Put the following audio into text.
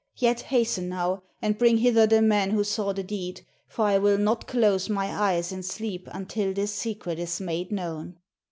Yet hasten now, and bring hither the man who saw the deed, for I will not close my eyes in sleep until this secret is made known."